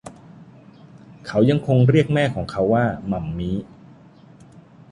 เขายังคงเรียกแม่ของเขาว่า หมั่มมี้